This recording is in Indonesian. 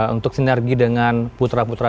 untuk sinergi dengan putra putra